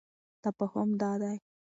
تفاهم دادی: